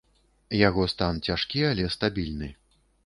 Яго стан цяжкі, але стабільны.